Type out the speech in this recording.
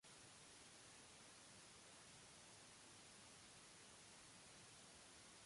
Initially there were three faculties: liberal arts, divinity and medicine.